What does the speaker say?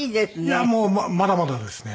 いやもうまだまだですね。